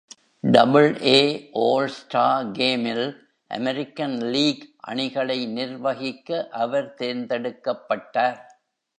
Double-A All-Star Game இல் American League அணிகளை நிர்வகிக்க அவர் தேர்ந்தெடுக்கப்பட்டார்.